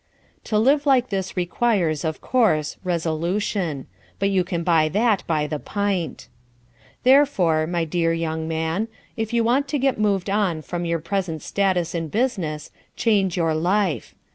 To live like this requires, of course, resolution. But you can buy that by the pint. Therefore, my dear young man, if you want to get moved on from your present status in business, change your life.